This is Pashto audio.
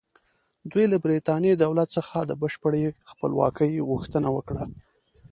دوی له برېټانیا دولت څخه د بشپړې خپلواکۍ غوښتنه وکړه.